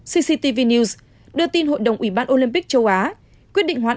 cctv news đưa tin hội đồng ủy ban olympic châu á quyết định hoán